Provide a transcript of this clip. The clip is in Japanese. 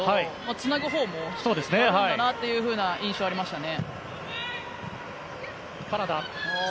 つなぐほうもできるんだなという印象がありましたね。